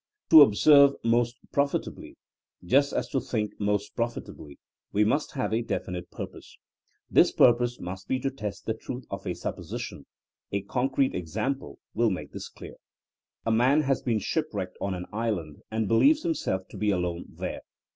To observe most profit ably, just as to think most profitably, we must have a definite purpose. This purpose must be to test the truth of a supposition. A concrete example will make this clear. A man has been shipwrecked on an island and believes himself to be alone there.